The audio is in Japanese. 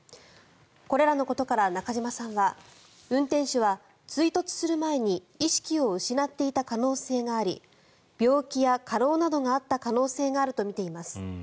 これらのことから中島さんは運転手は追突する前に意識を失っていた可能性があり病気や過労などがあった可能性があるとみています。